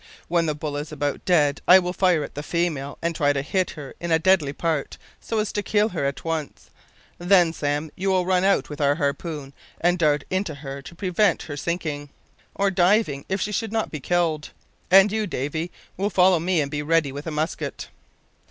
When the bull is about dead I will fire at the female and try to hit her in a deadly part, so as to kill her at once. Then, Sam, you will run out with our harpoon and dart into her to prevent her sinking, or diving if she should not be killed. And you, Davy, will follow me and be ready with a musket."